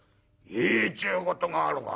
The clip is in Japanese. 「いいっちゅうことがあるか。